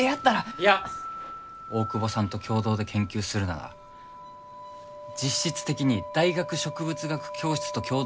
いや大窪さんと共同で研究するなら実質的に大学植物学教室と共同で研究するということだろう？